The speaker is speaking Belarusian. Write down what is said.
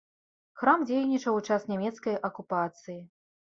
Храм дзейнічаў у час нямецкай акупацыі.